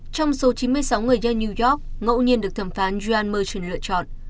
trong số chín mươi sáu người dân new york ngẫu nhiên được thẩm phán john merchant lựa chọn